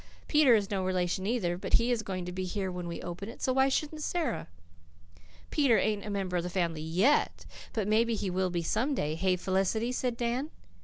Peter is no relation either, but he is going to be here when we open it, so why shouldn't Sara?" "Peter ain't a member of the family YET, but maybe he will be some day. Hey, Felicity?" said Dan.